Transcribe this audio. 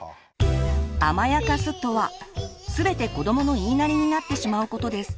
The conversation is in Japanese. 「甘やかす」とは全て子どもの言いなりになってしまうことです。